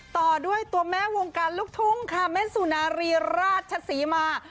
ต่อด้วยตัวแม่วงการลูกทุ่งค่ะแม่สุนารีราชศรีมา